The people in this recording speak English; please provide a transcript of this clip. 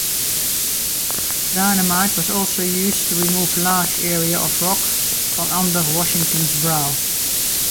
Dynamite was also used to remove large areas of rock from under Washington's brow.